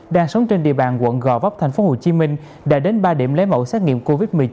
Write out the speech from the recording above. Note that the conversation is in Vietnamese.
đang sống trên địa bàn quận gò vấp thành phố hồ chí minh đã đến ba điểm lấy mẫu xét nghiệm covid một mươi chín